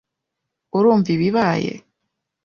Urumva ibibaye?